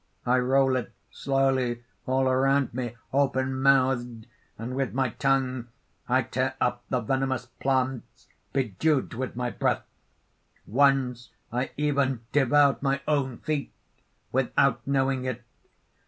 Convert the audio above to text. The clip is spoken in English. I roll it slowly all around me, open mouthed; and with my tongue I tear up the venemous plants bedewed with my breath. Once, I even devoured my own feet without knowing it!